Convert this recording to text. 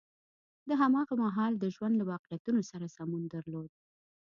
د هماغه مهال د ژوند له واقعیتونو سره سمون درلود.